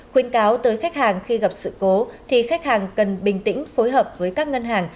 khuyên cáo tới khách hàng khi gặp sự cố thì khách hàng cần bình tĩnh phối hợp với các ngân hàng